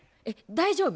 大丈夫？